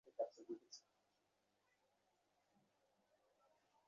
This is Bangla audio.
জাতীয় জীবন-সঙ্গীতের এইটিই যেন প্রধান সুর, অন্যগুলি যেন তাহারই একটু বৈচিত্র্য মাত্র।